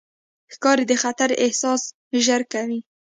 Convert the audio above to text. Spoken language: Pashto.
ښکاري د خطر احساس ژر کوي.